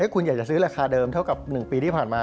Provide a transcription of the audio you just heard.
คุณอยากจะซื้อราคาเดิมเท่ากับ๑ปีที่ผ่านมา